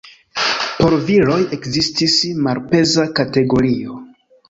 Por viroj ekzistis malpeza kategorio.